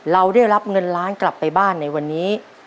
เราได้รับเงินล้านกลับไปบ้านในวันนี้